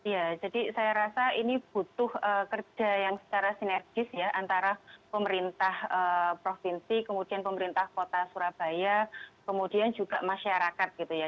ya jadi saya rasa ini butuh kerja yang secara sinergis ya antara pemerintah provinsi kemudian pemerintah kota surabaya kemudian juga masyarakat gitu ya